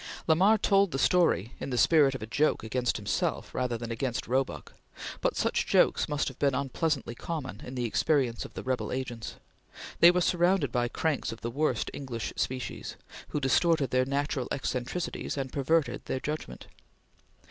Lamar told the story in the spirit of a joke against himself rather than against Roebuck; but such jokes must have been unpleasantly common in the experience of the rebel agents. They were surrounded by cranks of the worst English species, who distorted their natural eccentricities and perverted their judgment.